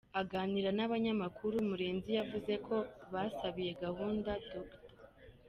Aganira n’abanyamakuru, Murenzi yavuze ko basabiye gahunda Dr.